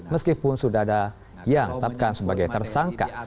meskipun sudah ada yang tetapkan sebagai tersangka